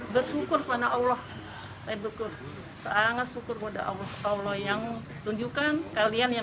bersyukur kepada allah saya dukung sangat syukur kepada allah allah yang tunjukkan kalian yang